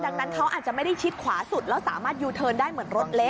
ดังนั้นเขาอาจจะไม่ได้ชิดขวาสุดแล้วสามารถยูเทิร์นได้เหมือนรถเละ